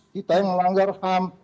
kita yang melanggar ham